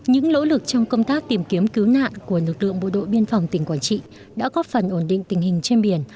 những nỗ lực trong công tác tìm kiếm cứu nạn của lực lượng bộ đội biên phòng tỉnh quảng trị đã góp phần ổn định tình hình trên biển